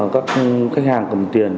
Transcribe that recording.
các khách hàng cầm tiền